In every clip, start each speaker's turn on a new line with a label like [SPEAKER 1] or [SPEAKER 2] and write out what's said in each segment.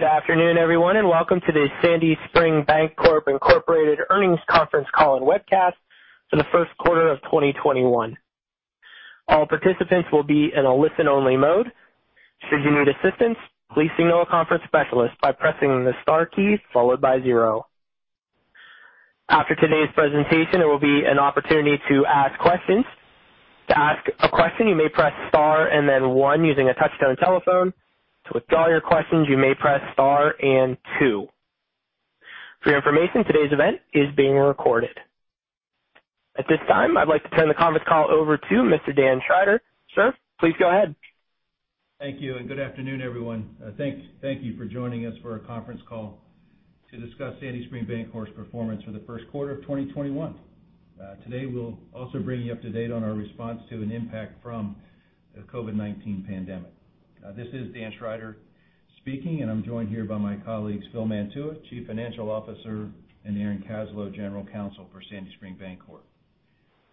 [SPEAKER 1] Good afternoon, everyone, and welcome to the Sandy Spring Bancorp Incorporated Earnings Conference Call and Webcast for the first quarter of 2021. All participants will be in a listen-only mode. Should you need assistance, please signal a conference specialist by pressing the star key followed by zero. After today's presentation, there will be an opportunity to ask questions. To ask a question, you may press star and then one using a touch-tone telephone. To withdraw your questions, you may press star and two. For your information, today's event is being recorded. At this time, I'd like to turn the conference call over to Mr. Dan Schrider. Sir, please go ahead.
[SPEAKER 2] Thank you, and good afternoon, everyone. Thank you for joining us for our conference call to discuss Sandy Spring Bancorp's performance for the first quarter of 2021. Today we'll also bring you up to date on our response to and impact from the COVID-19 pandemic. This is Dan Schrider speaking, and I'm joined here by my colleagues, Phil Mantua, Chief Financial Officer, and Aaron Kaslow, General Counsel for Sandy Spring Bancorp.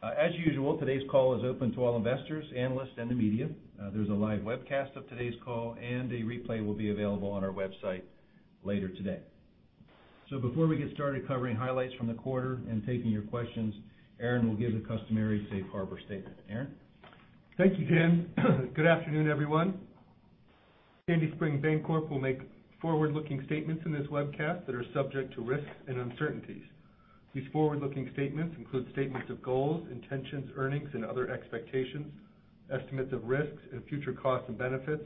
[SPEAKER 2] As usual, today's call is open to all investors, analysts, and the media. There's a live webcast of today's call, and a replay will be available on our website later today. Before we get started covering highlights from the quarter and taking your questions, Aaron will give the customary safe harbor statement. Aaron?
[SPEAKER 3] Thank you, Dan. Good afternoon, everyone. Sandy Spring Bancorp will make forward-looking statements in this webcast that are subject to risks and uncertainties. These forward-looking statements include statements of goals, intentions, earnings, and other expectations, estimates of risks and future costs and benefits,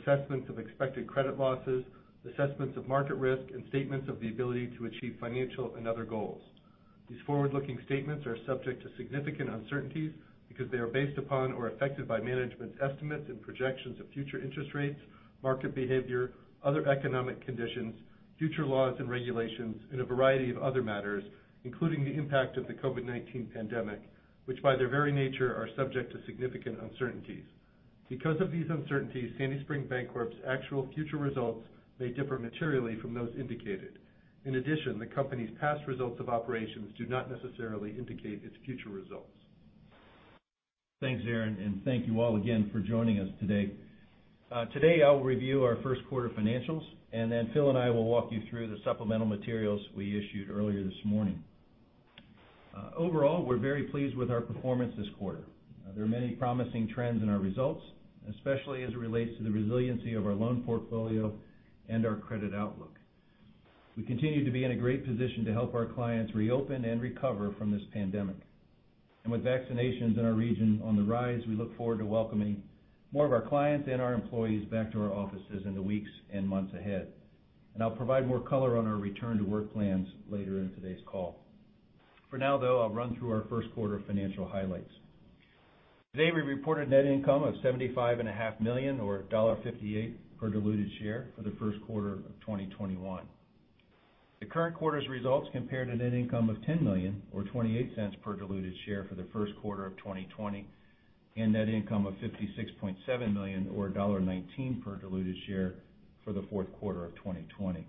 [SPEAKER 3] assessments of expected credit losses, assessments of market risk, and statements of the ability to achieve financial and other goals. These forward-looking statements are subject to significant uncertainties because they are based upon or affected by management's estimates and projections of future interest rates, market behavior, other economic conditions, future laws and regulations, and a variety of other matters, including the impact of the COVID-19 pandemic, which, by their very nature, are subject to significant uncertainties. Because of these uncertainties, Sandy Spring Bancorp's actual future results may differ materially from those indicated. In addition, the company's past results of operations do not necessarily indicate its future results.
[SPEAKER 2] Thanks, Aaron, and thank you all again for joining us today. Today I'll review our first quarter financials. Then Phil and I will walk you through the supplemental materials we issued earlier this morning. Overall, we're very pleased with our performance this quarter. There are many promising trends in our results, especially as it relates to the resiliency of our loan portfolio and our credit outlook. We continue to be in a great position to help our clients reopen and recover from this pandemic. With vaccinations in our region on the rise, we look forward to welcoming more of our clients and our employees back to our offices in the weeks and months ahead. I'll provide more color on our return to work plans later in today's call. For now, though, I'll run through our first quarter financial highlights. Today we reported net income of $75.5 million, or $1.58 per diluted share for the first quarter of 2021. The current quarter's results compared to net income of $10 million, or $0.28 per diluted share for the first quarter of 2020, and net income of $56.7 million or $1.19 per diluted share for the fourth quarter of 2020.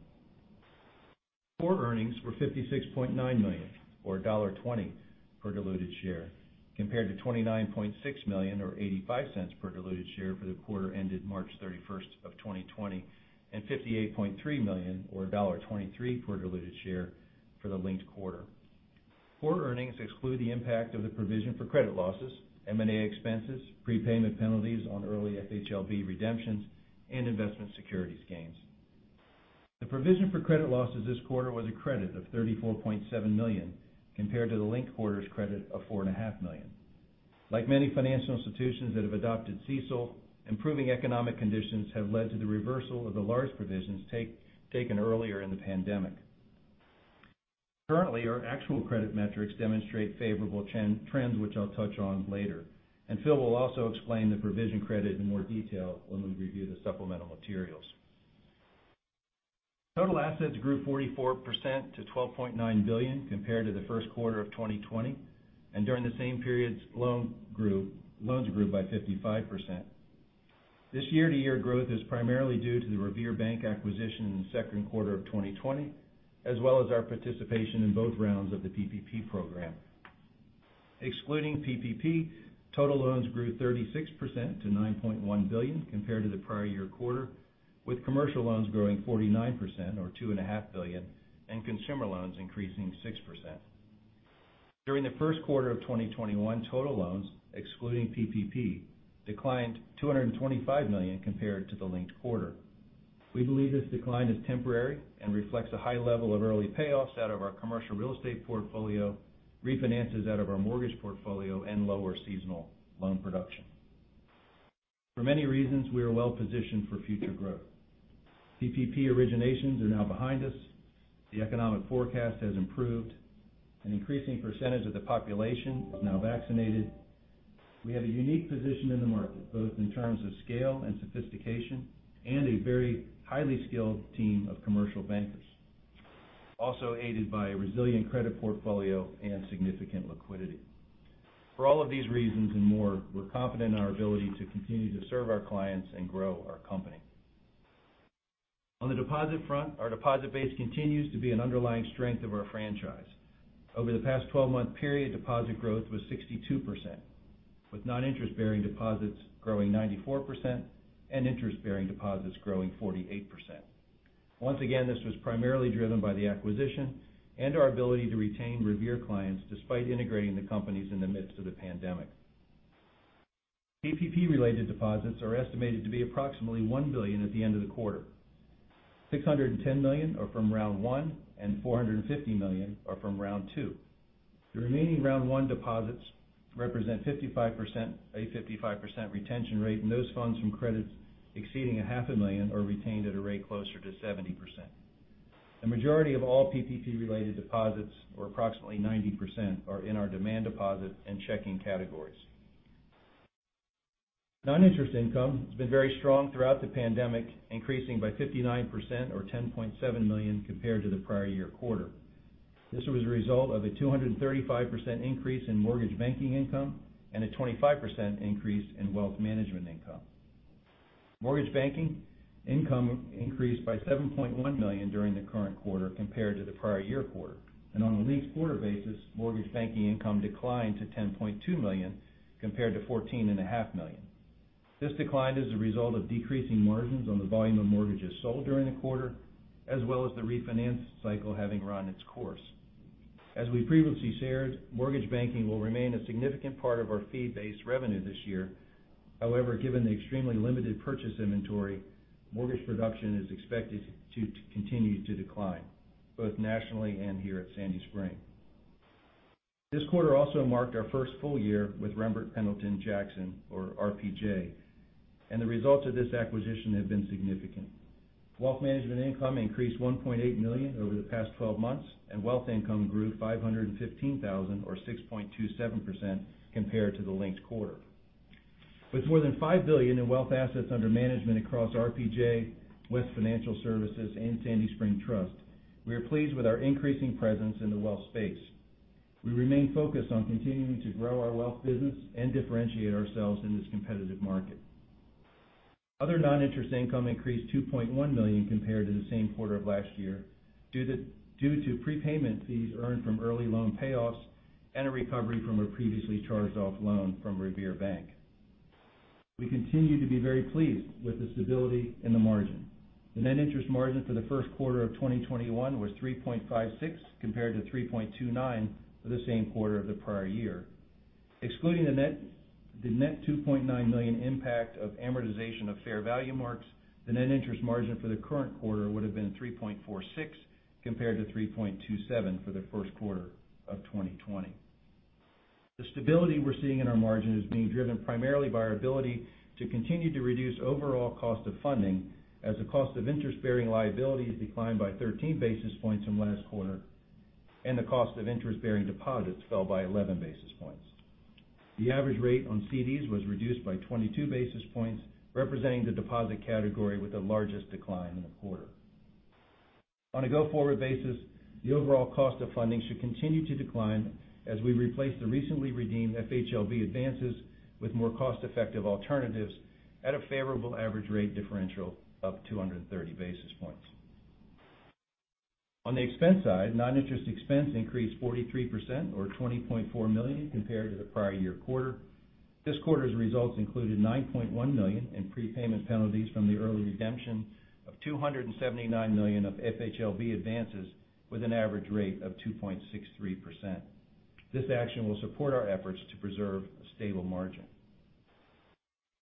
[SPEAKER 2] Core earnings were $56.9 million or $1.20 per diluted share, compared to $29.6 million or $0.85 per diluted share for the quarter ended March 31st of 2020, and $58.3 million or $1.23 per diluted share for the linked quarter. Core earnings exclude the impact of the provision for credit losses, M&A expenses, prepayment penalties on early FHLB redemptions, and investment securities gains. The provision for credit losses this quarter was a credit of $34.7 million compared to the linked quarter's credit of $4.5 million. Like many financial institutions that have adopted CECL, improving economic conditions have led to the reversal of the large provisions taken earlier in the pandemic. Currently, our actual credit metrics demonstrate favorable trends, which I'll touch on later, and Phil will also explain the provision credit in more detail when we review the supplemental materials. Total assets grew 44% to $12.9 billion compared to the first quarter of 2020. During the same periods, loans grew by 55%. This year-to-year growth is primarily due to the Revere Bank acquisition in the second quarter of 2020, as well as our participation in both rounds of the PPP program. Excluding PPP, total loans grew 36% to $9.1 billion compared to the prior year quarter, with commercial loans growing 49%, or two and a half billion, and consumer loans increasing 6%. During the first quarter of 2021, total loans, excluding PPP, declined $225 million compared to the linked quarter. We believe this decline is temporary and reflects a high level of early payoffs out of our commercial real estate portfolio, refinances out of our mortgage portfolio, and lower seasonal loan production. For many reasons, we are well positioned for future growth. PPP originations are now behind us. The economic forecast has improved. An increasing percentage of the population is now vaccinated. We have a unique position in the market, both in terms of scale and sophistication, and a very highly skilled team of commercial bankers, also aided by a resilient credit portfolio and significant liquidity. For all of these reasons and more, we're confident in our ability to continue to serve our clients and grow our company. On the deposit front, our deposit base continues to be an underlying strength of our franchise. Over the past 12-month period, deposit growth was 62%. With non-interest-bearing deposits growing 94% and interest-bearing deposits growing 48%. Once again, this was primarily driven by the acquisition and our ability to retain Revere clients despite integrating the companies in the midst of the pandemic. PPP-related deposits are estimated to be approximately $1 billion at the end of the quarter. $610 million are from round one, and $450 million are from round two. The remaining round one deposits represent 55%, a 55% retention rate, and those funds from credits exceeding a half a million are retained at a rate closer to 70%. The majority of all PPP-related deposits, or approximately 90%, are in our demand deposit and checking categories. Non-interest income has been very strong throughout the pandemic, increasing by 59% or $10.7 million compared to the prior-year quarter. This was a result of a 235% increase in mortgage banking income and a 25% increase in wealth management income. Mortgage banking income increased by $7.1 million during the current quarter compared to the prior-year quarter. On a linked-quarter basis, mortgage banking income declined to $10.2 million compared to $14.5 million. This decline is a result of decreasing margins on the volume of mortgages sold during the quarter, as well as the refinance cycle having run its course. As we previously shared, mortgage banking will remain a significant part of our fee-based revenue this year. However, given the extremely limited purchase inventory, mortgage production is expected to continue to decline, both nationally and here at Sandy Spring. This quarter also marked our first full year with Rembert Pendleton Jackson, or RPJ, and the results of this acquisition have been significant. Wealth management income increased $1.8 million over the past 12 months, and wealth income grew $515,000 or 6.27% compared to the linked quarter. With more than $5 billion in wealth assets under management across RPJ, West Financial Services and Sandy Spring Trust, we are pleased with our increasing presence in the wealth space. We remain focused on continuing to grow our wealth business and differentiate ourselves in this competitive market. Other non-interest income increased $2.1 million compared to the same quarter of last year due to prepayment fees earned from early loan payoffs and a recovery from a previously charged-off loan from Revere Bank. We continue to be very pleased with the stability in the margin. The net interest margin for the first quarter of 2021 was 3.56, compared to 3.29 for the same quarter of the prior year. Excluding the net $2.9 million impact of amortization of fair value marks, the net interest margin for the current quarter would've been 3.46 compared to 3.27 for the first quarter of 2020. The stability we're seeing in our margin is being driven primarily by our ability to continue to reduce overall cost of funding, as the cost of interest-bearing liabilities declined by 13 basis points from last quarter, and the cost of interest-bearing deposits fell by 11 basis points. The average rate on CDs was reduced by 22 basis points, representing the deposit category with the largest decline in the quarter. On a go-forward basis, the overall cost of funding should continue to decline as we replace the recently redeemed FHLB advances with more cost-effective alternatives at a favorable average rate differential of 230 basis points. On the expense side, non-interest expense increased 43% or $20.4 million compared to the prior year quarter. This quarter's results included $9.1 million in prepayment penalties from the early redemption of $279 million of FHLB advances with an average rate of 2.63%. This action will support our efforts to preserve a stable margin.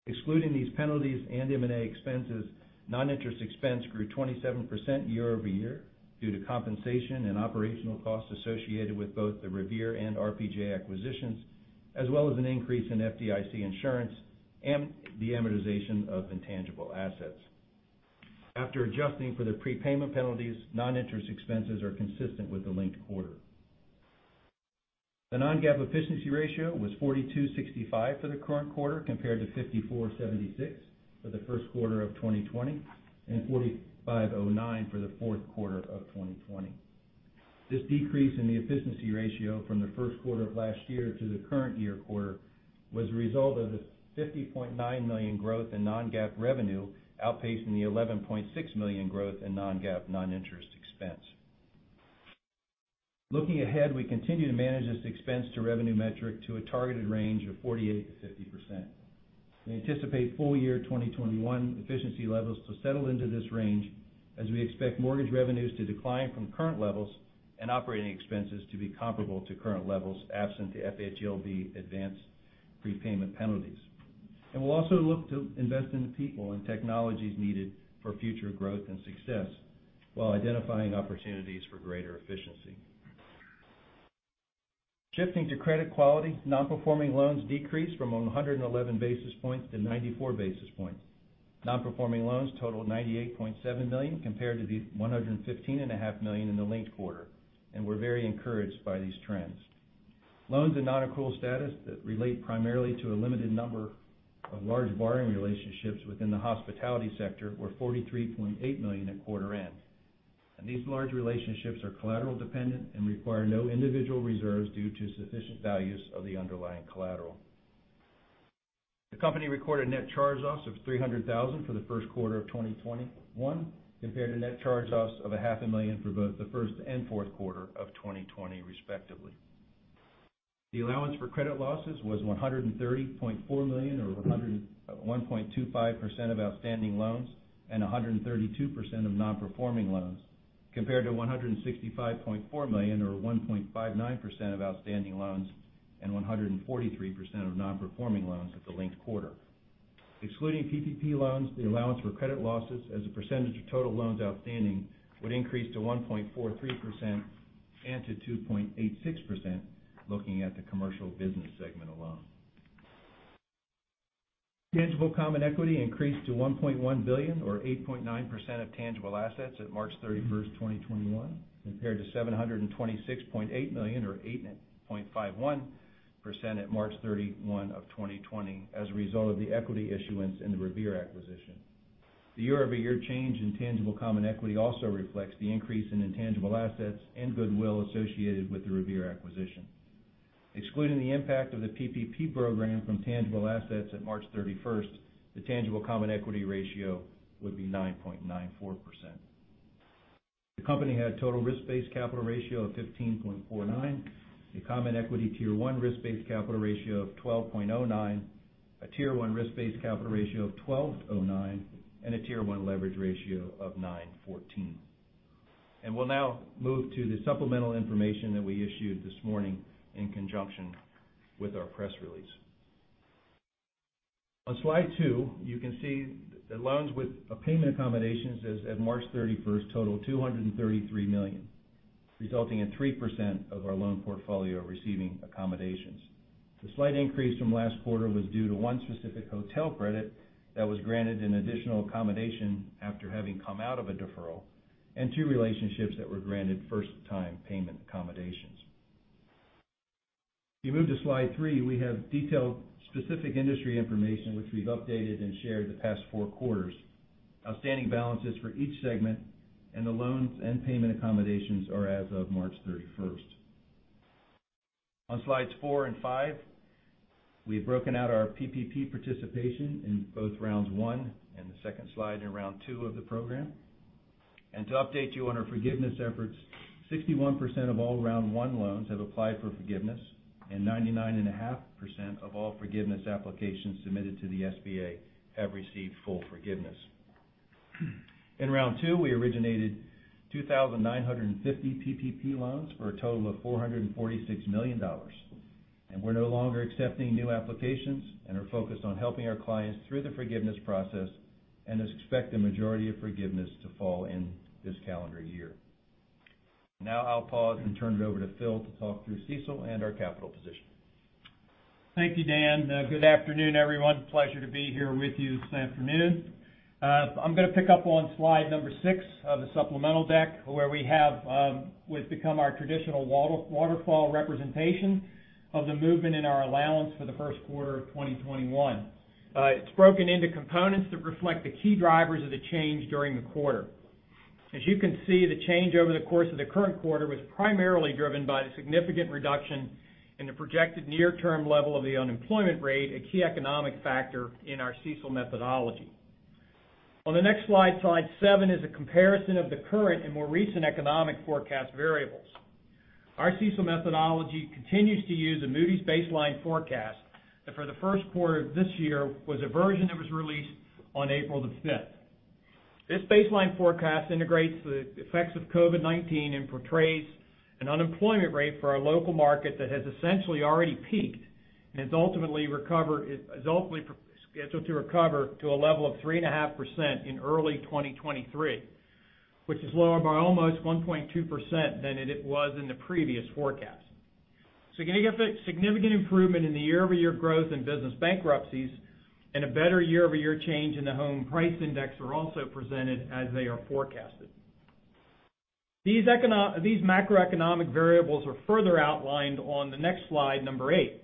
[SPEAKER 2] Excluding these penalties and M&A expenses, non-interest expense grew 27% year-over-year due to compensation and operational costs associated with both the Revere and RPJ acquisitions, as well as an increase in FDIC insurance and the amortization of intangible assets. After adjusting for the prepayment penalties, non-interest expenses are consistent with the linked quarter. The non-GAAP efficiency ratio was 42.65 for the current quarter, compared to 54.76 for the first quarter of 2020 and 45.09 for the fourth quarter of 2020. This decrease in the efficiency ratio from the first quarter of last year to the current year quarter was a result of the $50.9 million growth in non-GAAP revenue, outpacing the $11.6 million growth in non-GAAP non-interest expense. Looking ahead, we continue to manage this expense to revenue metric to a targeted range of 48%-50%. We anticipate full year 2021 efficiency levels to settle into this range as we expect mortgage revenues to decline from current levels and operating expenses to be comparable to current levels absent the FHLB advance prepayment penalties. We'll also look to invest in the people and technologies needed for future growth and success while identifying opportunities for greater efficiency. Shifting to credit quality, non-performing loans decreased from 111 basis points to 94 basis points. Non-performing loans totaled $98.7 million compared to the $115.5 million in the linked quarter, and we're very encouraged by these trends. Loans in non-accrual status that relate primarily to a limited number of large borrowing relationships within the hospitality sector were $43.8 million at quarter end. These large relationships are collateral dependent and require no individual reserves due to sufficient values of the underlying collateral. The company recorded net charge-offs of $300,000 for the first quarter of 2021, compared to net charge-offs of a half a million for both the first and fourth quarter of 2020, respectively. The allowance for credit losses was $130.4 million, or 1.25% of outstanding loans, and 132% of non-performing loans, compared to $165.4 million, or 1.59% of outstanding loans and 143% of non-performing loans at the linked quarter. Excluding PPP loans, the allowance for credit losses as a percentage of total loans outstanding would increase to 1.43% and to 2.86% looking at the commercial business segment alone. Tangible common equity increased to $1.1 billion, or 8.9% of tangible assets at March 31st, 2021, compared to $726.8 million, or 8.51% at March 31, 2020, as a result of the equity issuance in the Revere acquisition. The year-over-year change in tangible common equity also reflects the increase in intangible assets and goodwill associated with the Revere acquisition. Excluding the impact of the PPP program from tangible assets at March 31st, the tangible common equity ratio would be 9.94%. The company had total risk-based capital ratio of 15.49%, a common equity tier 1 risk-based capital ratio of 12.09%, a tier 1 risk-based capital ratio of 12.09%, and a tier 1 leverage ratio of 9.14%. We'll now move to the supplemental information that we issued this morning in conjunction with our press release. On slide two, you can see the loans with payment accommodations as at March 31st total $233 million, resulting in 3% of our loan portfolio receiving accommodations. The slight increase from last quarter was due to one specific hotel credit that was granted an additional accommodation after having come out of a deferral, and two relationships that were granted first-time payment accommodations. If you move to slide three, we have detailed specific industry information which we've updated and shared the past four quarters. Outstanding balances for each segment and the loans and payment accommodations are as of March 31st. On slides four and five, we have broken out our PPP participation in both rounds one and the second slide in round two of the program. To update you on our forgiveness efforts, 61% of all round one loans have applied for forgiveness, and 99.5% of all forgiveness applications submitted to the SBA have received full forgiveness. In round two, we originated 2,950 PPP loans for a total of $446 million. We're no longer accepting new applications and are focused on helping our clients through the forgiveness process and thus expect the majority of forgiveness to fall in this calendar year. Now I'll pause and turn it over to Phil to talk through CECL and our capital position.
[SPEAKER 4] Thank you, Dan. Good afternoon, everyone. Pleasure to be here with you this afternoon. I'm going to pick up on slide number six of the supplemental deck, where we have what's become our traditional waterfall representation of the movement in our allowance for the first quarter of 2021. It's broken into components that reflect the key drivers of the change during the quarter. As you can see, the change over the course of the current quarter was primarily driven by the significant reduction in the projected near-term level of the unemployment rate, a key economic factor in our CECL methodology. On the next slide seven, is a comparison of the current and more recent economic forecast variables. Our CECL methodology continues to use a Moody's baseline forecast that for the first quarter of this year was a version that was released on April the 5th. This baseline forecast integrates the effects of COVID-19 and portrays an unemployment rate for our local market that has essentially already peaked and is ultimately scheduled to recover to a level of 3.5% in early 2023, which is lower by almost 1.2% than it was in the previous forecast. Significant improvement in the year-over-year growth in business bankruptcies and a better year-over-year change in the home price index are also presented as they are forecasted. These macroeconomic variables are further outlined on the next slide, number eight.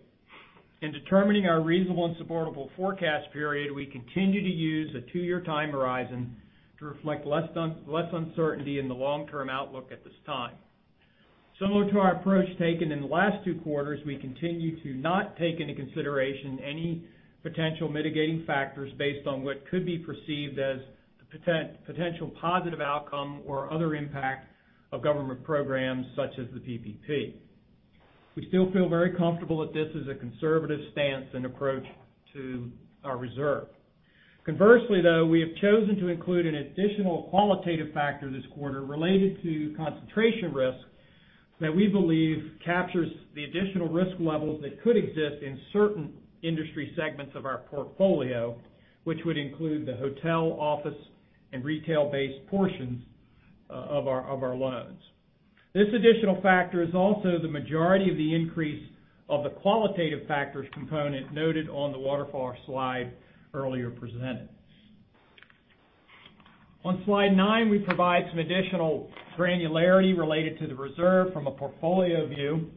[SPEAKER 4] In determining our reasonable and supportable forecast period, we continue to use a two-year time horizon to reflect less uncertainty in the long-term outlook at this time. Similar to our approach taken in the last two quarters, we continue to not take into consideration any potential mitigating factors based on what could be perceived as the potential positive outcome or other impact of government programs such as the PPP. We still feel very comfortable that this is a conservative stance and approach to our reserve. Conversely, though, we have chosen to include an additional qualitative factor this quarter related to concentration risk that we believe captures the additional risk levels that could exist in certain industry segments of our portfolio, which would include the hotel, office, and retail-based portions of our loans. This additional factor is also the majority of the increase of the qualitative factors component noted on the waterfall slide earlier presented. On slide nine, we provide some additional granularity related to the reserve from a portfolio view,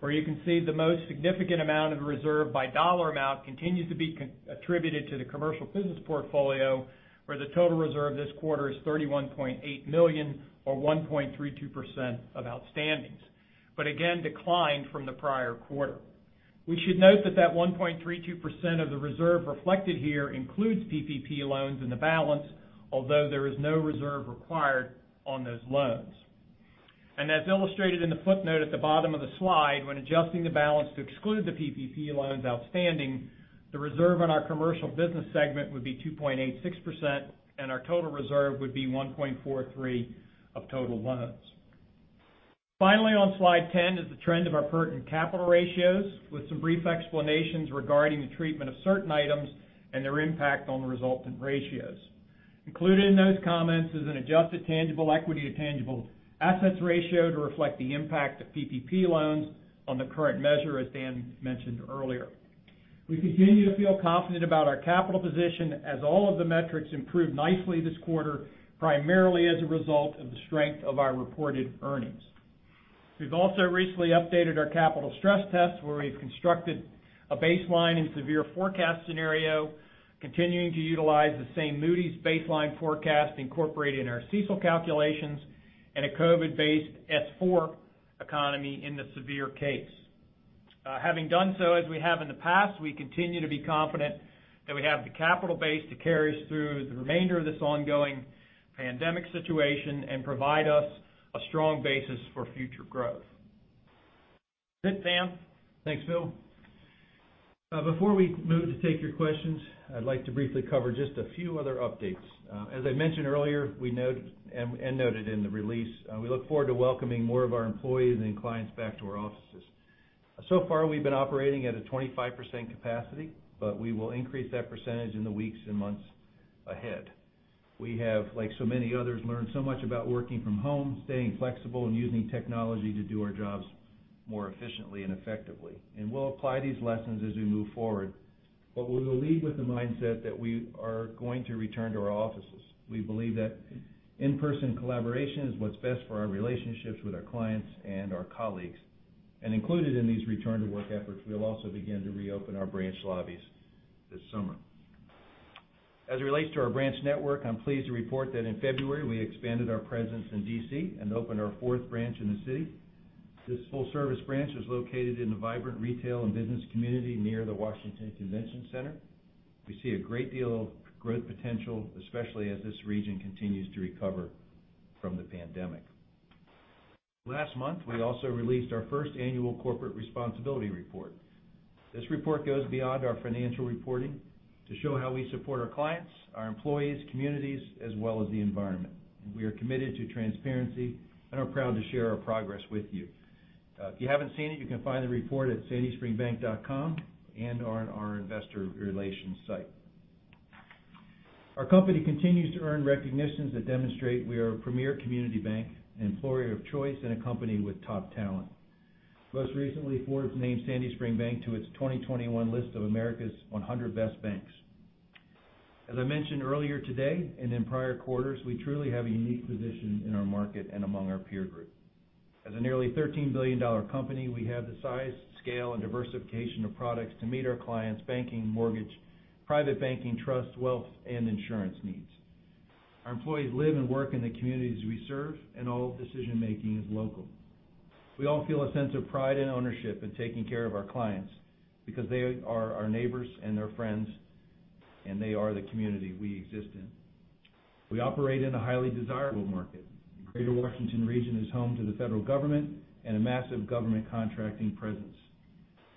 [SPEAKER 4] where you can see the most significant amount of reserve by dollar amount continues to be attributed to the commercial business portfolio, where the total reserve this quarter is 31.8 million or 1.32% of outstandings. Again, declined from the prior quarter. We should note that that 1.32% of the reserve reflected here includes PPP loans in the balance, although there is no reserve required on those loans. As illustrated in the footnote at the bottom of the slide, when adjusting the balance to exclude the PPP loans outstanding, the reserve on our commercial business segment would be 2.86%, and our total reserve would be 1.43 of total loans. Finally, on slide 10 is the trend of our pertinent capital ratios, with some brief explanations regarding the treatment of certain items and their impact on the resultant ratios. Included in those comments is an adjusted tangible equity to tangible assets ratio to reflect the impact of PPP loans on the current measure, as Dan mentioned earlier. We continue to feel confident about our capital position as all of the metrics improved nicely this quarter, primarily as a result of the strength of our reported earnings. We've also recently updated our capital stress tests, where we've constructed a baseline and severe forecast scenario, continuing to utilize the same Moody's baseline forecast incorporated in our CECL calculations and a COVID-based S4 economy in the severe case. Having done so, as we have in the past, we continue to be confident that we have the capital base to carry us through the remainder of this ongoing pandemic situation and provide us a strong basis for future growth. That's it, Dan.
[SPEAKER 2] Thanks, Phil. Before we move to take your questions, I'd like to briefly cover just a few other updates. As I mentioned earlier, and noted in the release, we look forward to welcoming more of our employees and clients back to our offices. Far, we've been operating at a 25% capacity, but we will increase that percentage in the weeks and months ahead. We have, like so many others, learned so much about working from home, staying flexible, and using technology to do our jobs more efficiently and effectively. We'll apply these lessons as we move forward. We will lead with the mindset that we are going to return to our offices. We believe that in-person collaboration is what's best for our relationships with our clients and our colleagues. Included in these return-to-work efforts, we'll also begin to reopen our branch lobbies this summer. It relates to our branch network, I'm pleased to report that in February, we expanded our presence in D.C. and opened our fourth branch in the city. This full-service branch is located in a vibrant retail and business community near the Washington Convention Center. We see a great deal of growth potential, especially as this region continues to recover from the pandemic. Last month, we also released our first annual corporate responsibility report. This report goes beyond our financial reporting to show how we support our clients, our employees, communities, as well as the environment. We are committed to transparency and are proud to share our progress with you. If you haven't seen it, you can find the report at sandyspringbank.com and on our investor relations site. Our company continues to earn recognitions that demonstrate we are a premier community bank, an employer of choice, and a company with top talent. Most recently, Forbes named Sandy Spring Bank to its 2021 list of America's 100 best banks. As I mentioned earlier today and in prior quarters, we truly have a unique position in our market and among our peer group. As a nearly $13 billion company, we have the size, scale, and diversification of products to meet our clients' banking, mortgage, private banking, trust, wealth, and insurance needs. Our employees live and work in the communities we serve, and all decision-making is local. We all feel a sense of pride and ownership in taking care of our clients because they are our neighbors and they're friends, and they are the community we exist in. We operate in a highly desirable market. The Greater Washington region is home to the federal government and a massive government contracting presence.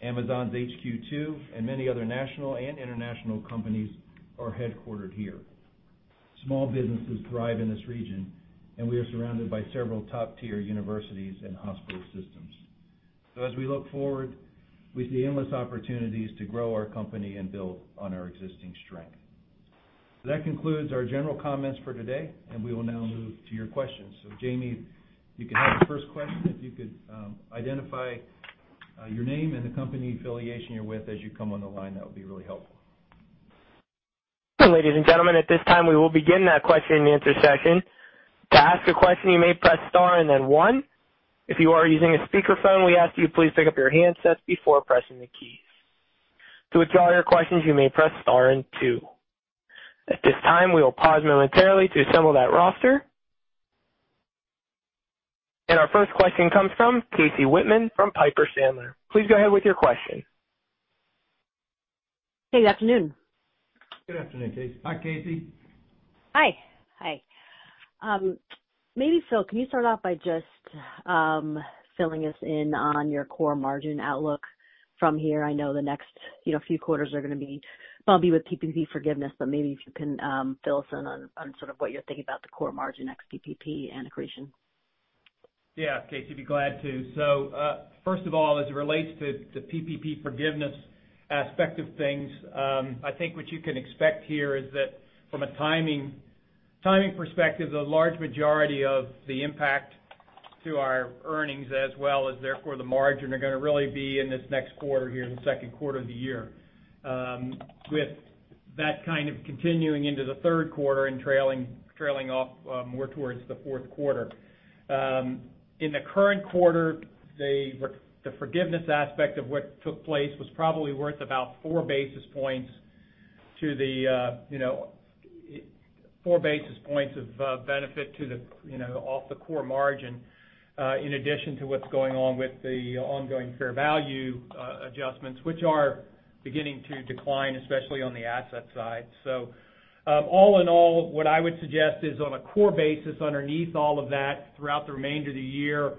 [SPEAKER 2] Amazon's HQ2 and many other national and international companies are headquartered here. Small businesses thrive in this region, and we are surrounded by several top-tier universities and hospital systems. As we look forward, we see endless opportunities to grow our company and build on our existing strength. That concludes our general comments for today, and we will now move to your questions. Jamie, you can have the first question. If you could identify your name and the company affiliation you're with as you come on the line, that would be really helpful.
[SPEAKER 1] Our first question comes from Casey Whitman from Piper Sandler. Please go ahead with your question.
[SPEAKER 5] Hey, good afternoon.
[SPEAKER 2] Good afternoon, Casey.
[SPEAKER 4] Hi, Casey.
[SPEAKER 5] Hi. Maybe, Phil, can you start off by just filling us in on your core margin outlook from here? I know the next few quarters are going to be bumpy with PPP forgiveness, but maybe if you can fill us in on sort of what you're thinking about the core margin ex-PPP and accretion.
[SPEAKER 4] Yeah, Casey. I'd be glad to. First of all, as it relates to the PPP forgiveness aspect of things, I think what you can expect here is that from a timing perspective, the large majority of the impact to our earnings as well as therefore the margin are going to really be in this next quarter here in the second quarter of the year. With that kind of continuing into the third quarter and trailing off more towards the fourth quarter. In the current quarter, the forgiveness aspect of what took place was probably worth about four basis points to the four basis points of benefit off the core margin, in addition to what's going on with the ongoing fair value adjustments, which are beginning to decline, especially on the asset side. All in all, what I would suggest is on a core basis, underneath all of that, throughout the remainder of the year,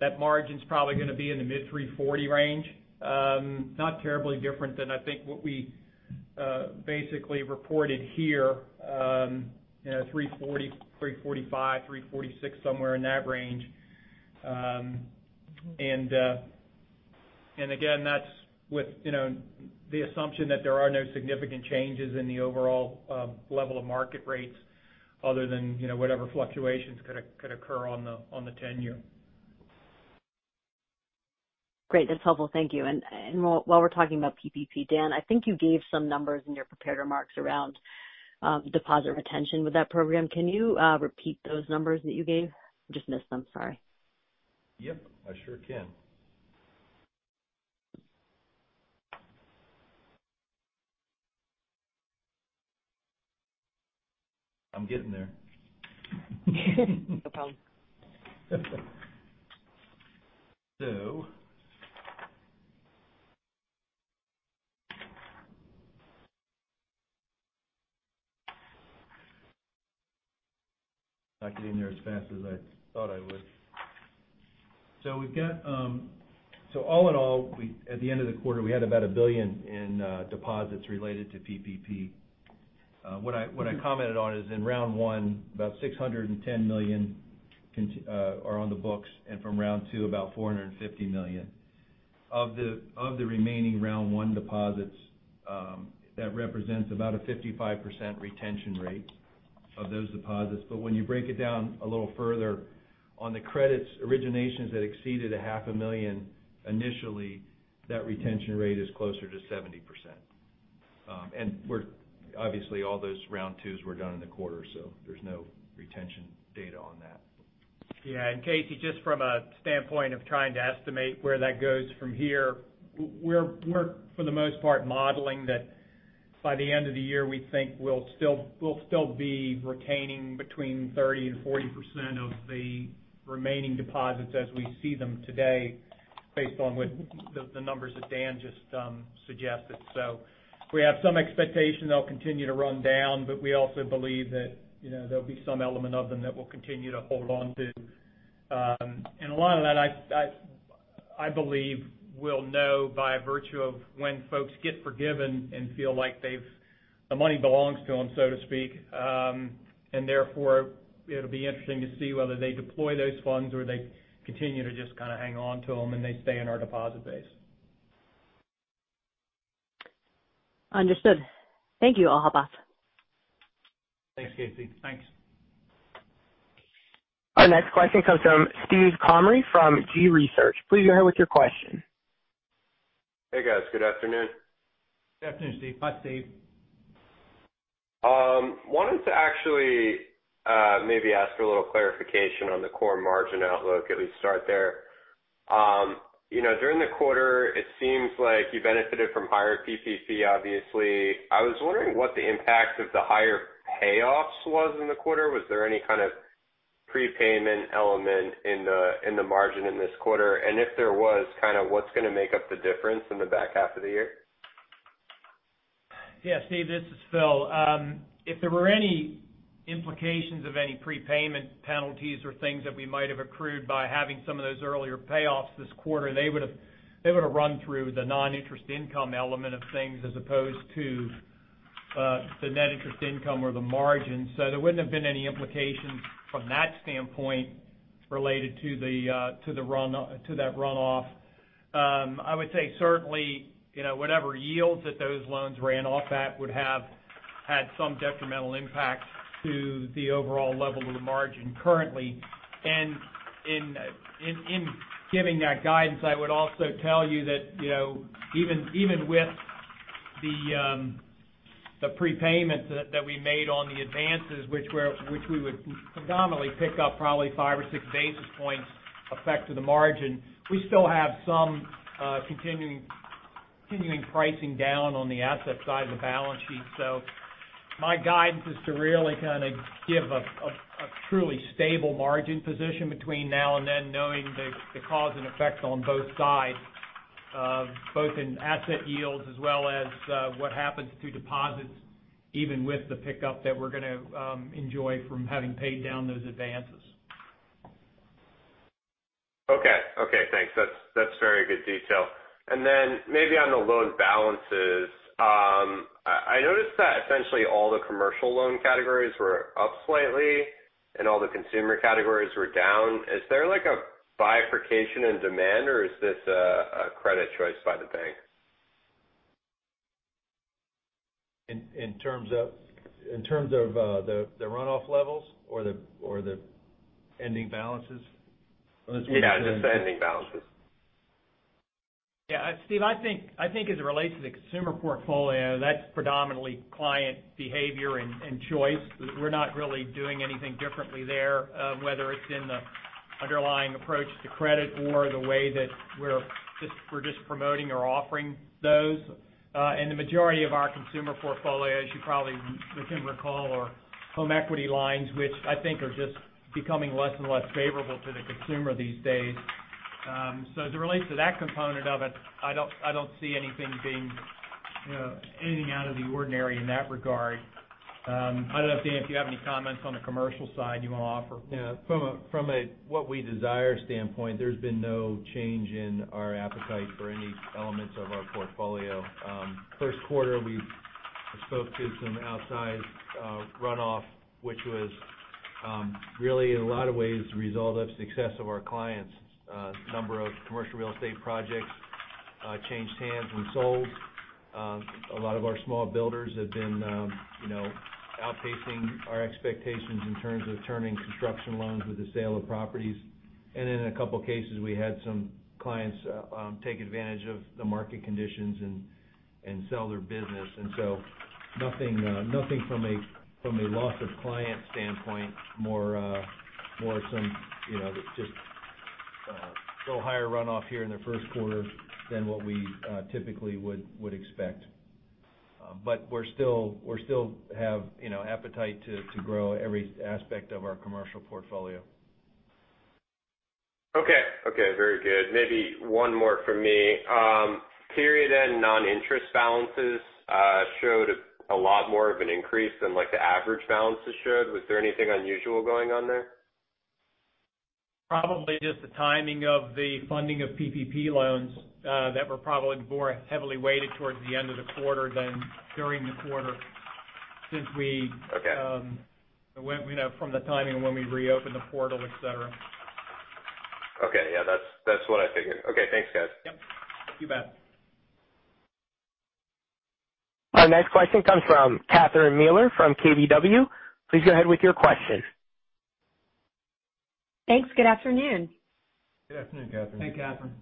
[SPEAKER 4] that margin's probably going to be in the mid 340 range. Not terribly different than I think what we basically reported here, 340, 345, 346, somewhere in that range. again, that's with the assumption that there are no significant changes in the overall level of market rates other than whatever fluctuations could occur on the 10-year.
[SPEAKER 5] Great. That's helpful. Thank you. While we're talking about PPP, Dan, I think you gave some numbers in your prepared remarks around deposit retention with that program. Can you repeat those numbers that you gave? Just missed them. Sorry.
[SPEAKER 2] Yep. I sure can. I'm getting there.
[SPEAKER 5] No problem.
[SPEAKER 2] Not getting there as fast as I thought I would. All in all, at the end of the quarter, we had about $1 billion in deposits related to PPP. What I commented on is in round one, about $610 million are on the books, and from round two, about $450 million. Of the remaining round one deposits, that represents about a 55% retention rate of those deposits. When you break it down a little further on the credits originations that exceeded a half a million initially, that retention rate is closer to 70%. Obviously all those round twos were done in the quarter, so there's no retention data on that.
[SPEAKER 4] Yeah. Casey, just from a standpoint of trying to estimate where that goes from here, we're for the most part modeling that by the end of the year, we think we'll still be retaining between 30 and 40% of the remaining deposits as we see them today based on the numbers that Dan just suggested. We have some expectation they'll continue to run down, but we also believe that there'll be some element of them that we'll continue to hold on to. A lot of that, I believe we'll know by virtue of when folks get forgiven and feel like the money belongs to them, so to speak. Therefore, it'll be interesting to see whether they deploy those funds or they continue to just kind of hang on to them and they stay in our deposit base.
[SPEAKER 5] Understood. Thank you. I'll hop off.
[SPEAKER 4] Thanks, Casey.
[SPEAKER 2] Thanks.
[SPEAKER 1] Our next question comes from Steve Comery from G. Research. Please go ahead with your question.
[SPEAKER 6] Hey, guys. Good afternoon.
[SPEAKER 4] Good afternoon, Steve.
[SPEAKER 2] Hi, Steve.
[SPEAKER 6] wanted to actually maybe ask for a little clarification on the core margin outlook. At least start there. During the quarter, it seems like you benefited from higher PPP, obviously. I was wondering what the impact of the higher payoffs was in the quarter. Was there any kind of prepayment element in the margin in this quarter? If there was, what's going to make up the difference in the back half of the year?
[SPEAKER 4] Yeah, Steve, this is Phil. If there were any implications of any prepayment penalties or things that we might have accrued by having some of those earlier payoffs this quarter, they would've run through the non-interest income element of things as opposed to the net interest income or the margin. There wouldn't have been any implications from that standpoint related to that runoff. I would say certainly, whatever yields that those loans ran off at would have had some detrimental impact to the overall level of the margin currently. In giving that guidance, I would also tell you that even with the prepayment that we made on the advances, which we would predominantly pick up probably five or six basis points effect to the margin, we still have some continuing pricing down on the asset side of the balance sheet. My guidance is to really kind of give a truly stable margin position between now and then, knowing the cause and effects on both sides, both in asset yields as well as what happens to deposits, even with the pickup that we're going to enjoy from having paid down those advances.
[SPEAKER 6] Okay. Thanks. That's very good detail. Maybe on the loan balances, I noticed that essentially all the commercial loan categories were up slightly and all the consumer categories were down. Is there a bifurcation in demand, or is this a credit choice by the bank?
[SPEAKER 2] In terms of the runoff levels or the ending balances?
[SPEAKER 6] Yeah, just the ending balances.
[SPEAKER 4] Yeah. Steve, I think as it relates to the consumer portfolio, that's predominantly client behavior and choice. We're not really doing anything differently there, whether it's in the underlying approach to credit or the way that we're just promoting or offering those. The majority of our consumer portfolio, as you probably can recall, are home equity lines, which I think are just becoming less and less favorable to the consumer these days. As it relates to that component of it, I don't see anything out of the ordinary in that regard. I don't know, Dan, if you have any comments on the commercial side you want to offer.
[SPEAKER 2] Yeah. From a what we desire standpoint, there's been no change in our appetite for any elements of our portfolio. First quarter, we spoke to some outsized runoff, which was really, in a lot of ways, a result of success of our clients. A number of commercial real estate projects changed hands and sold. A lot of our small builders have been outpacing our expectations in terms of turning construction loans with the sale of properties. In a couple of cases, we had some clients take advantage of the market conditions and sell their business. Nothing from a loss of client standpoint, more some just a little higher runoff here in the first quarter than what we typically would expect. We still have appetite to grow every aspect of our commercial portfolio.
[SPEAKER 6] Okay. Very good. Maybe one more from me. Period end non-interest balances showed a lot more of an increase than the average balances showed. Was there anything unusual going on there?
[SPEAKER 4] Probably just the timing of the funding of PPP loans that were probably more heavily weighted towards the end of the quarter than during the quarter.
[SPEAKER 6] Okay
[SPEAKER 4] from the timing of when we reopened the portal, et cetera.
[SPEAKER 6] Okay. Yeah, that's what I figured. Okay. Thanks, guys.
[SPEAKER 4] Yep. You bet.
[SPEAKER 1] Our next question comes from Catherine Mealor from KBW. Please go ahead with your question.
[SPEAKER 7] Thanks. Good afternoon.
[SPEAKER 2] Good afternoon, Catherine.
[SPEAKER 4] Hey, Catherine.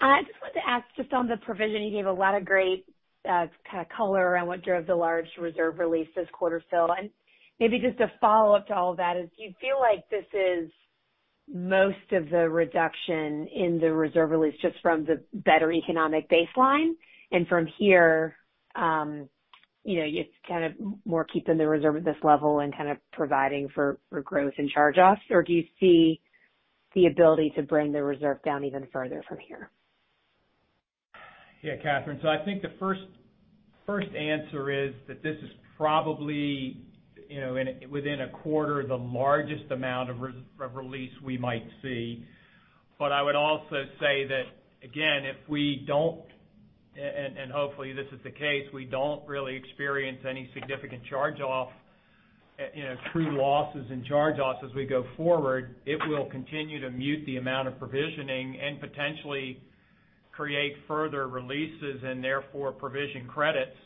[SPEAKER 7] I just wanted to ask just on the provision, you gave a lot of great kind of color around what drove the large reserve release this quarter. Maybe just a follow-up to all of that is, do you feel like this is most of the reduction in the reserve release just from the better economic baseline? From here, you're kind of more keeping the reserve at this level and kind of providing for growth and charge-offs? Do you see the ability to bring the reserve down even further from here?
[SPEAKER 4] Yeah, Catherine. I think the first answer is that this is probably, within a quarter, the largest amount of release we might see. I would also say that, again, if we don't, and hopefully this is the case, we don't really experience any significant charge-off, true losses and charge-offs as we go forward, it will continue to mute the amount of provisioning and potentially create further releases and therefore provision credits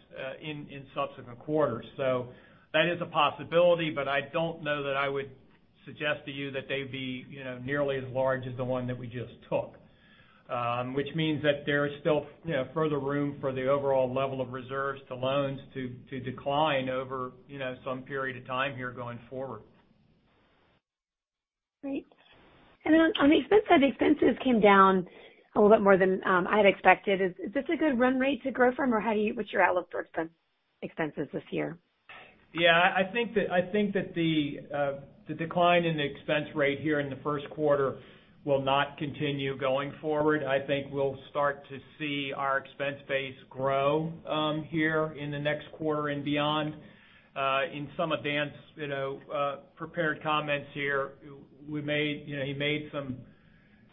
[SPEAKER 4] in subsequent quarters. That is a possibility, but I don't know that I would suggest to you that they'd be nearly as large as the one that we just took, which means that there is still further room for the overall level of reserves to loans to decline over some period of time here going forward.
[SPEAKER 7] Great. On the expense side, expenses came down a little bit more than I'd expected. Is this a good run rate to grow from, or what's your outlook towards expenses this year?
[SPEAKER 4] Yeah, I think that the decline in the expense rate here in the first quarter will not continue going forward. I think we'll start to see our expense base grow here in the next quarter and beyond. In some of Dan's prepared comments here, he made some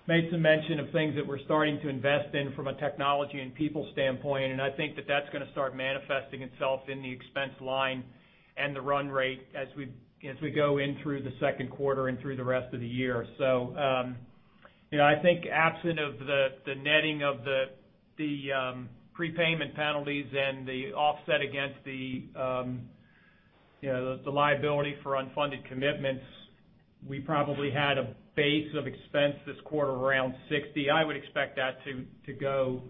[SPEAKER 4] mention of things that we're starting to invest in from a technology and people standpoint, and I think that that's going to start manifesting itself in the expense line and the run rate as we go in through the second quarter and through the rest of the year. I think absent of the netting of the prepayment penalties and the offset against the liability for unfunded commitments, we probably had a base of expense this quarter around 60. I would expect that to go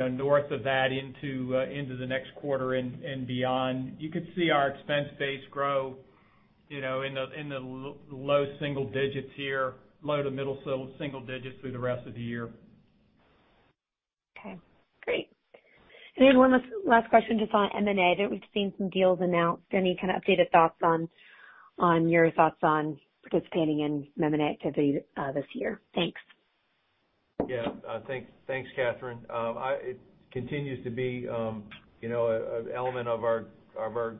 [SPEAKER 4] north of that into the next quarter and beyond. You could see our expense base grow in the low single digits here, low to middle single digits through the rest of the year.
[SPEAKER 7] Okay. Great. One last question just on M&A. We've seen some deals announced. Any kind of updated thoughts on your thoughts on participating in M&A activity this year? Thanks.
[SPEAKER 2] Yeah. Thanks, Catherine Mealor. It continues to be an element of our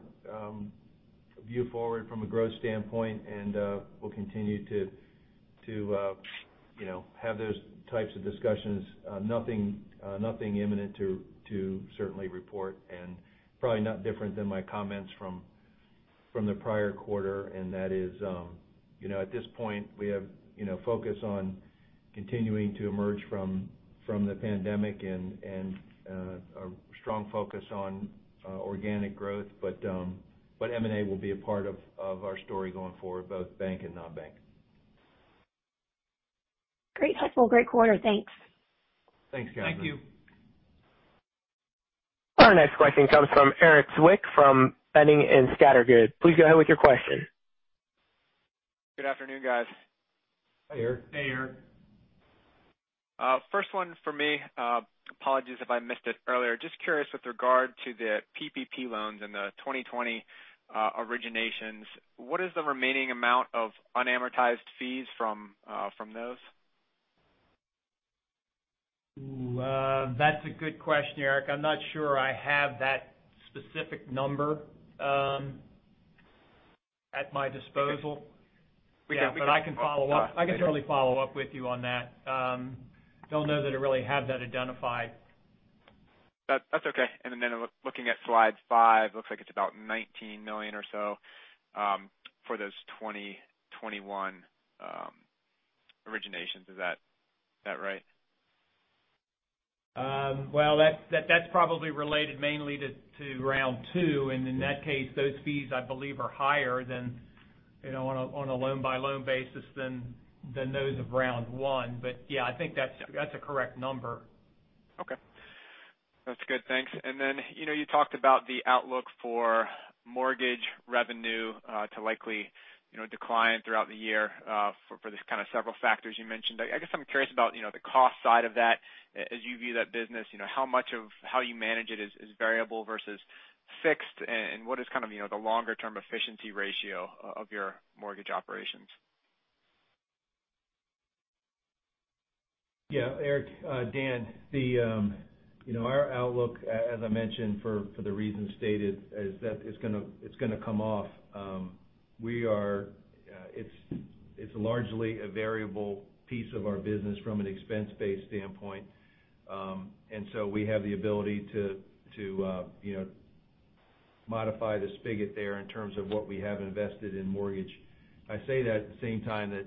[SPEAKER 2] view forward from a growth standpoint, and we'll continue to have those types of discussions. Nothing imminent to certainly report, and probably not different than my comments from the prior quarter, and that is, at this point, we have focus on continuing to emerge from the pandemic and a strong focus on organic growth, but M&A will be a part of our story going forward, both bank and non-bank.
[SPEAKER 7] Great. Helpful. Great quarter. Thanks.
[SPEAKER 2] Thanks, Catherine.
[SPEAKER 4] Thank you
[SPEAKER 1] Our next question comes from Erik Zwick from Boenning & Scattergood. Please go ahead with your question.
[SPEAKER 8] Good afternoon, guys.
[SPEAKER 2] Hi, Erik.
[SPEAKER 4] Hey, Erik.
[SPEAKER 8] First one for me, apologies if I missed it earlier. Just curious with regard to the PPP loans and the 2020 originations, what is the remaining amount of unamortized fees from those?
[SPEAKER 4] Ooh, that's a good question, Erik. I'm not sure I have that specific number at my disposal.
[SPEAKER 8] We can-
[SPEAKER 4] I can certainly follow up with you on that. Don't know that I really have that identified.
[SPEAKER 8] That's okay. Looking at slide five, looks like it's about $19 million or so for those 2021 originations. Is that right?
[SPEAKER 4] Well, that's probably related mainly to round two. In that case, those fees, I believe, are higher on a loan-by-loan basis than those of round one. Yeah, I think that's a correct number.
[SPEAKER 8] Okay. That's good. Thanks. You talked about the outlook for mortgage revenue to likely decline throughout the year for the kind of several factors you mentioned. I guess I'm curious about the cost side of that as you view that business. How much of how you manage it is variable versus fixed and what is kind of the longer-term efficiency ratio of your mortgage operations?
[SPEAKER 2] Yeah, Erik, Dan, our outlook, as I mentioned, for the reasons stated, is that it's going to come off. It's largely a variable piece of our business from an expense-based standpoint. We have the ability to modify the spigot there in terms of what we have invested in mortgage. I say that at the same time that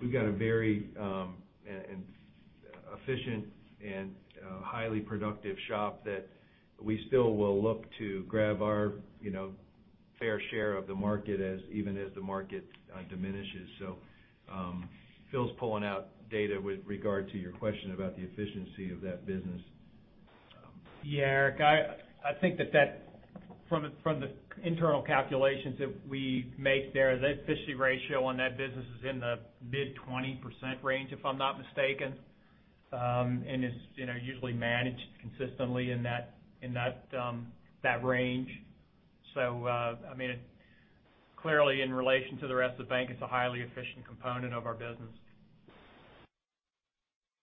[SPEAKER 2] we've got a very efficient and highly productive shop that we still will look to grab our fair share of the market even as the market diminishes. Phil's pulling out data with regard to your question about the efficiency of that business.
[SPEAKER 4] Yeah, Erik. I think that from the internal calculations that we make there, the efficiency ratio on that business is in the mid-20% range, if I'm not mistaken. It's usually managed consistently in that range. Clearly in relation to the rest of the bank, it's a highly efficient component of our business.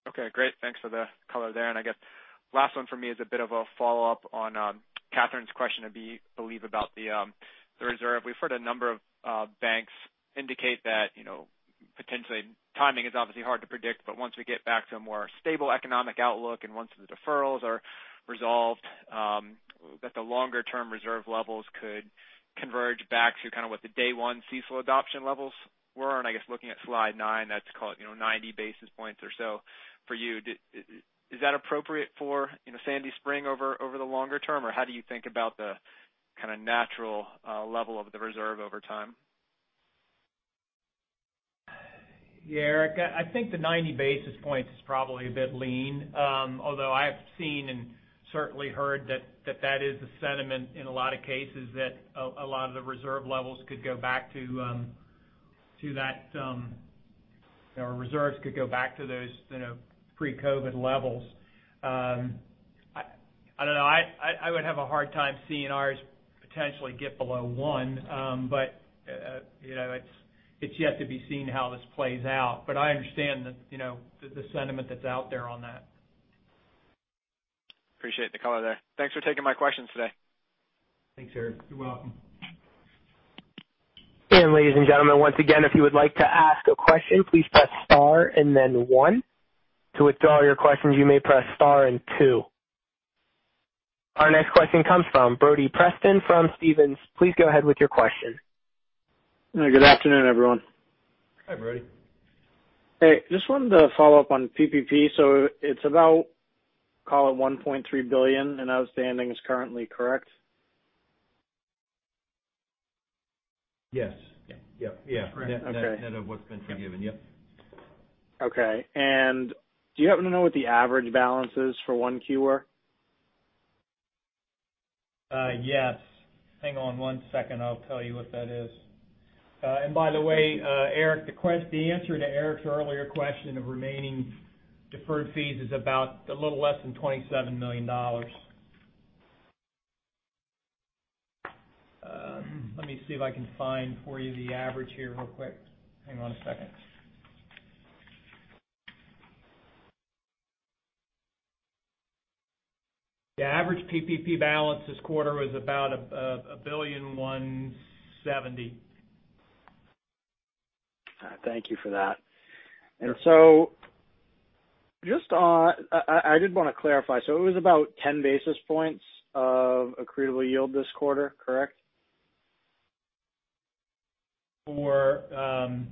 [SPEAKER 8] Okay, great. Thanks for the color there. I guess last one for me is a bit of a follow-up on Catherine's question, I believe, about the reserve. We've heard a number of banks indicate that potentially timing is obviously hard to predict, but once we get back to a more stable economic outlook and once the deferrals are resolved, that the longer-term reserve levels could converge back to kind of what the day one CECL adoption levels were. I guess looking at slide nine, that's call it 90 basis points or so for you. Is that appropriate for Sandy Spring over the longer term? Or how do you think about the kind of natural level of the reserve over time?
[SPEAKER 4] Yeah, Erik. I think the 90 basis points is probably a bit lean. Although I've seen and certainly heard that is the sentiment in a lot of cases, that a lot of the reserve levels could go back to that, or reserves could go back to those pre-COVID levels. I don't know. I would have a hard time seeing ours potentially get below one. It's yet to be seen how this plays out. I understand the sentiment that's out there on that.
[SPEAKER 8] Appreciate the color there. Thanks for taking my questions today.
[SPEAKER 2] Thanks, Erik.
[SPEAKER 8] You're welcome.
[SPEAKER 1] Ladies and gentlemen, once again, if you would like to ask a question, please press star and then one. To withdraw your question, you may press star and two. Our next question comes from Brody Preston from Stephens. Please go ahead with your question.
[SPEAKER 9] Good afternoon, everyone.
[SPEAKER 2] Hi, Brody.
[SPEAKER 9] Hey, just wanted to follow up on PPP. It's about, call it $1.3 billion in outstanding is currently, correct?
[SPEAKER 2] Yes.
[SPEAKER 4] Yep.
[SPEAKER 2] Yeah.
[SPEAKER 4] Correct.
[SPEAKER 9] Okay.
[SPEAKER 2] That of what's been forgiven. Yep.
[SPEAKER 9] Okay. Do you happen to know what the average balance is for 1Q were?
[SPEAKER 4] Yes. Hang on one second. I'll tell you what that is. By the way, the answer to Erik's earlier question of remaining deferred fees is about a little less than $27 million. Let me see if I can find for you the average here real quick. Hang on a second. The average PPP balance this quarter was about $1.17 billion.
[SPEAKER 9] Thank you for that.
[SPEAKER 4] Sure.
[SPEAKER 9] I did want to clarify, so it was about 10 basis points of accretable yield this quarter, correct?
[SPEAKER 4] For--
[SPEAKER 9] The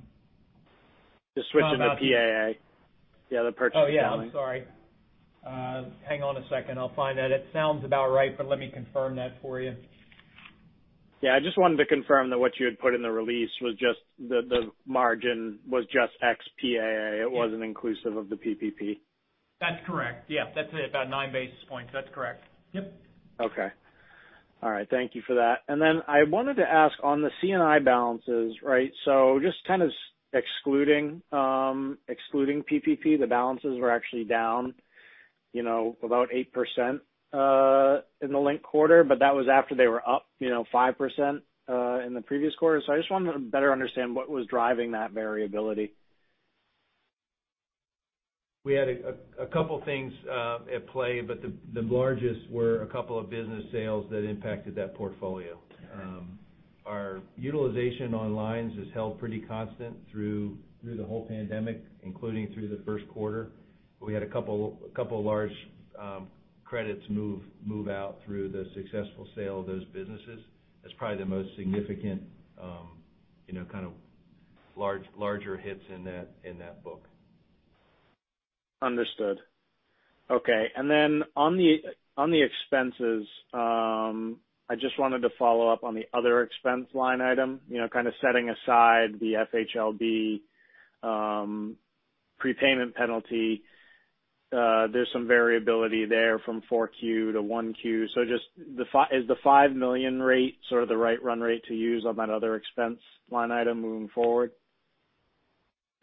[SPEAKER 9] switch in the PAA. The other purchase accounting.
[SPEAKER 4] Oh, yeah, I'm sorry. Hang on a second. I'll find that. It sounds about right. Let me confirm that for you.
[SPEAKER 9] Yeah, I just wanted to confirm that what you had put in the release, the margin was just ex PAA. It wasn't inclusive of the PPP.
[SPEAKER 4] That's correct. Yeah. That's it, about nine basis points. That's correct. Yep.
[SPEAKER 9] Okay. All right. Thank you for that. I wanted to ask on the C&I balances, so just kind of excluding PPP, the balances were actually down about 8% in the linked quarter, but that was after they were up 5% in the previous quarter. I just wanted to better understand what was driving that variability.
[SPEAKER 2] We had a couple things at play, but the largest were a couple of business sales that impacted that portfolio.
[SPEAKER 9] All right.
[SPEAKER 2] Our utilization on lines has held pretty constant through the whole pandemic, including through the first quarter. We had a couple of large credits move out through the successful sale of those businesses. That is probably the most significant kind of larger hits in that book.
[SPEAKER 9] Understood. Okay. On the expenses, I just wanted to follow up on the other expense line item, kind of setting aside the FHLB prepayment penalty. There's some variability there from four Q to one Q. Is the $5 million rate sort of the right run rate to use on that other expense line item moving forward,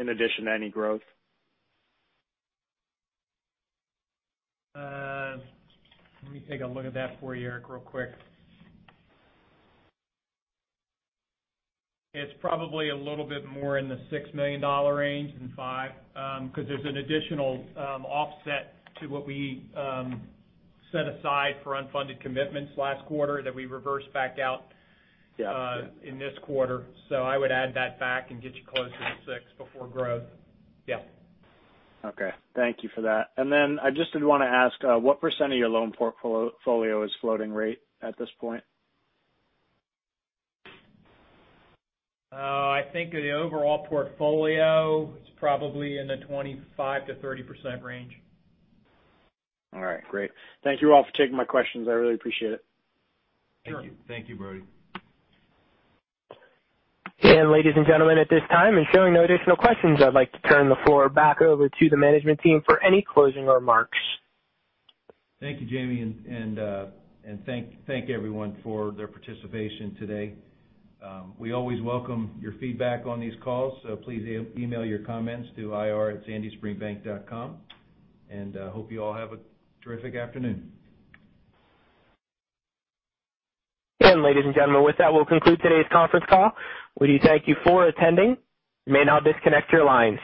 [SPEAKER 9] in addition to any growth?
[SPEAKER 4] Let me take a look at that for you, Erik, real quick. It's probably a little bit more in the $6 million range than five, because there's an additional offset to what we set aside for unfunded commitments last quarter that we reversed back out.
[SPEAKER 9] Yeah
[SPEAKER 4] in this quarter. I would add that back and get you closer to six before growth. Yeah.
[SPEAKER 9] Okay. Thank you for that. I just did want to ask, what % of your loan portfolio is floating rate at this point?
[SPEAKER 4] I think the overall portfolio is probably in the 25%-30% range.
[SPEAKER 9] All right, great. Thank you all for taking my questions. I really appreciate it.
[SPEAKER 4] Sure.
[SPEAKER 2] Thank you, Brody.
[SPEAKER 1] Ladies and gentlemen, at this time, and showing no additional questions, I'd like to turn the floor back over to the management team for any closing remarks.
[SPEAKER 2] Thank you, Jamie, and thank everyone for their participation today. We always welcome your feedback on these calls, so please email your comments to ir@sandyspringbank.com. Hope you all have a terrific afternoon.
[SPEAKER 1] Ladies and gentlemen, with that, we'll conclude today's conference call. We thank you for attending. You may now disconnect your lines.